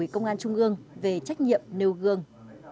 công an trung ương về trách nhiệm nêu gương